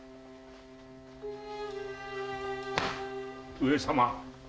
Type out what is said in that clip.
上様。